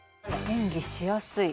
演技しやすい？